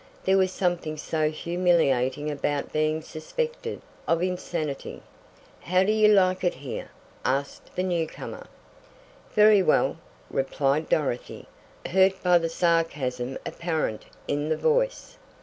There was something so humiliating about being suspected of insanity! "How do you like it here?" asked the newcomer. "Very well," replied Dorothy, hurt by the sarcasm apparent in the voice.